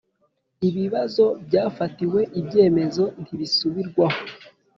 Ibibazo byafatiwe ibyemezo ntibisubirwaho